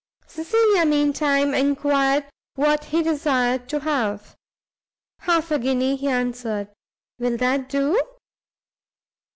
Cecilia, mean time, enquired what he desired to have. "Half a guinea," he answered. "Will that do?"